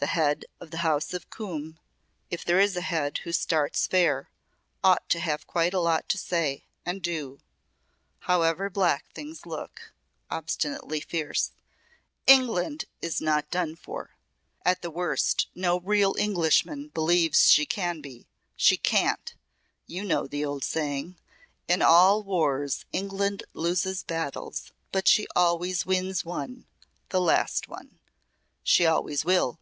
"The Head of the House of Coombe if there is a Head who starts fair ought to have quite a lot to say and do. Howsoever black things look," obstinately fierce, "England is not done for. At the worst no real Englishman believes she can be. She can't! You know the old saying, 'In all wars England loses battles, but she always wins one the last one.' She always will.